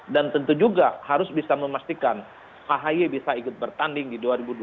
dan tentu juga harus bisa memastikan ahaye bisa ikut bertanding di dua ribu dua puluh empat